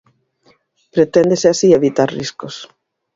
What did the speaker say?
Preténdese así evitar riscos.